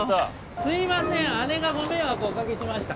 すいません姉がご迷惑おかけしました